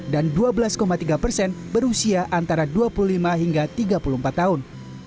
dan dua belas tiga persen berusia antara dua puluh lima hingga tiga puluh empat tahun